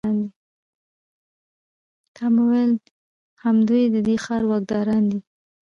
تا به ویل همدوی د دې ښار واکداران دي.